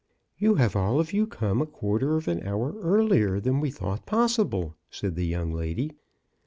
'' You have all of you come a quarter of an hour earlier than we thought pos sible," said the young lady.